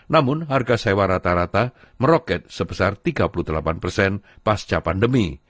namun harga sewa rata rata meroket sebesar tiga puluh delapan pasca pandemi